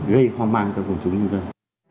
gây hoang mang cho cộng chúng nhân dân